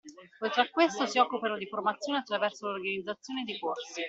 Oltre a questo si occupano di formazione attraverso l’organizzazione di corsi.